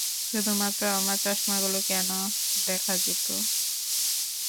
শুধুমাত্র আমার চশমাগুলো কেন দেখা যেত?